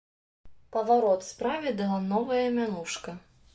Паварот справе дала новая мянушка.